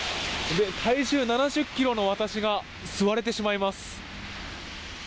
体重７０ｋｇの私が座れてしまいます。